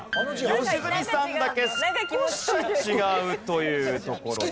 良純さんだけ少し違うというところですが。